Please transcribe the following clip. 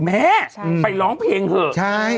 แม่ไปร้องเพลงเถอะ